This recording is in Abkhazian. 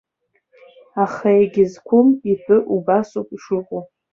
Аха егьызқәым итәы убасоуп ишыҟоу.